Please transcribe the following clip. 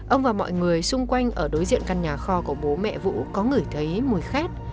ông và mọi người xung quanh ở đối diện căn nhà kho của bố mẹ vũ có ngửi thấy mùi khét